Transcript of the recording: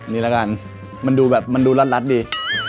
นี่ละกันมันดูแบบมันดูรัดดี